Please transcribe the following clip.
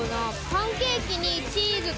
パンケーキにチーズと？